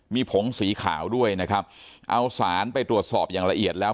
มีผงสีขาวด้วยนะครับเอาสารไปตรวจสอบอย่างละเอียดแล้ว